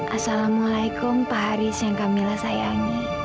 assalamualaikum pak haris yang kamilah sayangi